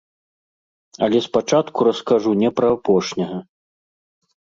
Але спачатку раскажу не пра апошняга.